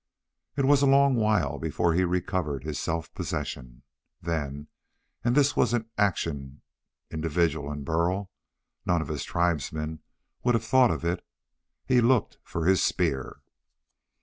It was a long while before he recovered his self possession. Then and this was an action individual in Burl: none of his tribesmen would have thought of it he looked for his spear.